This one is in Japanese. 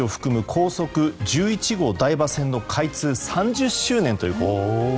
高速１１号台場線の開通３０周年という。